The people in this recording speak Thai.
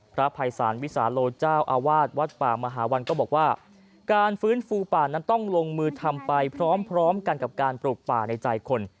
พระภัยศาลวิสาโลเจ้าอาวาสวัดป่ามหาวันก็บอกว่าการฟื้นฟูป่านั้นต้องลงมือทำไปพร้อมกันกับการปลูกป่าในใจคน